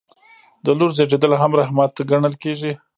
د لور زیږیدل هم رحمت ګڼل کیږي.